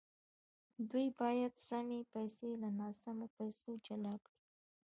دوی باید سمې پیسې له ناسمو پیسو جلا کړي